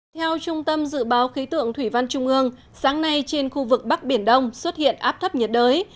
theo trung tâm dự báo khí tượng thủy văn trung ương sáng nay trên khu vực bắc biển đông xuất hiện áp thấp nhiệt đới